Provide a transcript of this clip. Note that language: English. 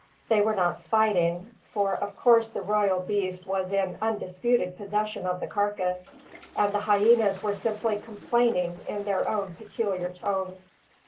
They were not fighting; for of course the royal beast was in undisputed possession of the carcass, and the hyenas were simply complaining in their own peculiar tones.